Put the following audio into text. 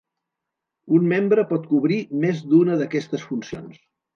Un membre pot cobrir més d'una d'aquestes funcions.